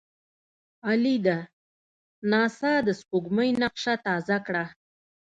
عالي ده! ناسا د سپوږمۍ نقشه تازه کړه.